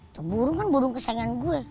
itu burung kan burung kesayangan gue